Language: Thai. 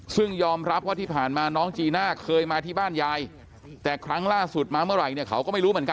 ซึ่งยอมรับว่าที่ผ่านมาน้องจีน่าเคยมาที่บ้านยายแต่ครั้งล่าสุดมาเมื่อไหร่เนี่ยเขาก็ไม่รู้เหมือนกัน